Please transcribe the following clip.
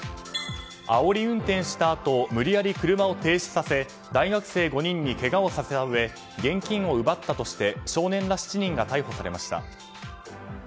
あおり運転したあと無理やり車を停止させ大学生５人にけがをさせたうえ現金を奪ったとして少年ら７人が逮捕されました。